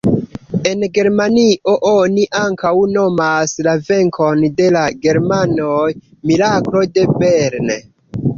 En Germanio oni ankaŭ nomas la venkon de la germanoj "Miraklo de Bern".